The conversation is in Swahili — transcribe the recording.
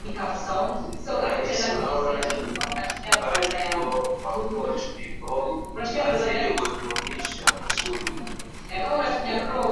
rais lauren badbo wa cote de voire azidi kutunisha misuli